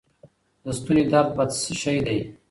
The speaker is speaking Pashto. د ستوني درد بد شی دی.